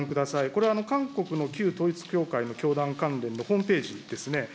これは韓国の旧統一教会の教団関連のホームページですね。